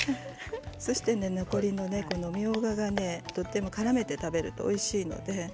残りのみょうががからめて食べるとおいしいので。